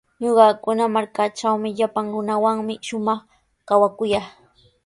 Ñuqakuna markaatrawqa llapan runawanmi shumaq kawakuyaa.